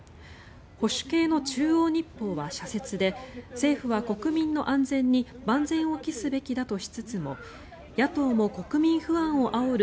保守系の中央日報は社説で政府は国民の安全に万全を期すべきだとしつつも野党も、国民不安をあおる